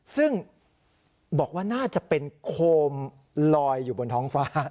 ซึ่งบอกว่าน่าจะเป็นโคมลอยอยู่บนท้องฟ้า